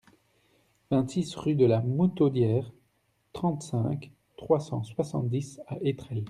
vingt-six rue de la Moutaudière, trente-cinq, trois cent soixante-dix à Étrelles